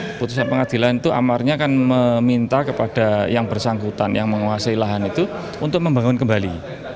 keputusan pengadilan itu amarnya kan meminta kepada yang bersangkutan yang menguasai lahan itu untuk membangun kembali